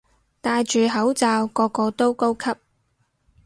戴住口罩個個都高級